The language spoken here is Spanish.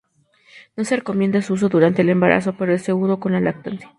No se recomienda su uso durante el embarazo, pero es seguro con la lactancia.